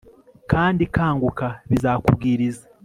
Kandi kanguka bizakubwiriza